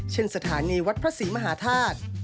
เช่นสถานีวัดพระศรีมหาธาตุ